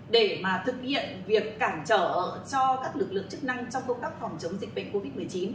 để mà thực hiện việc cản trở cho các lực lượng chức năng trong công tác phòng chống dịch bệnh covid một mươi chín